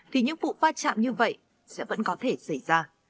thì những vụ va chạm như vậy sẽ vẫn có thể xảy ra